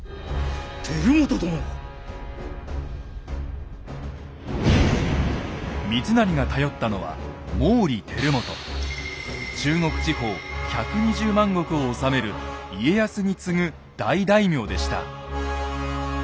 輝元殿を⁉三成が頼ったのは中国地方１２０万石を治める家康に次ぐ大大名でした。